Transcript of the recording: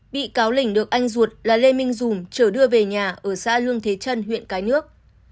bị cáo lình được anh ruột là lê minh dùng trở đưa về nhà ở xã lương thế trân huyện cái nước